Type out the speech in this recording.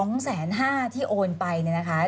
๒๕๐๐บาทที่โอนไปเนี่ยนะคะ